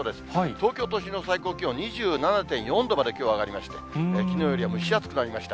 東京都心の最高気温、２７．４度まできょうは上がりまして、きのうより蒸し暑くなりました。